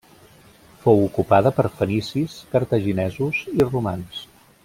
Fou ocupada per fenicis, cartaginesos i romans.